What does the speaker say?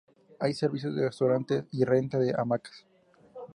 Hay servicio de restaurante y renta de hamacas.